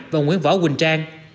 và nguyễn võ quỳnh trang